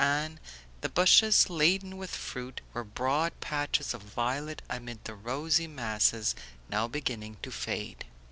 Anne the bushes laden with fruit were broad patches of violet amid the rosy masses now beginning to fade.